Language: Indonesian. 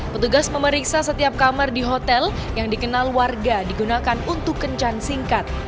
petugas memeriksa setiap kamar di hotel yang dikenal warga digunakan untuk kencan singkat